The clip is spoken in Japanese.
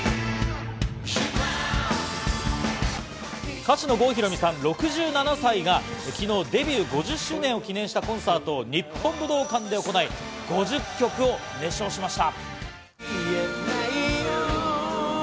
歌手の郷ひろみさん、６７歳が昨日デビュー５０周年を記念したコンサートを日本武道館で行い、５０曲を熱唱しました。